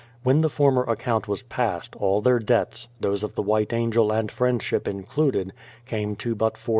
When the former account was passed, all their debts, those of the White Angel and Friendship included, came to but £4770.